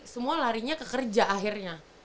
semua larinya ke kerja akhirnya